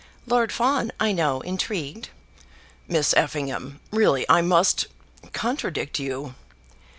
Lord Fawn, I know, intrigued." "Miss Effingham, really I must contradict you."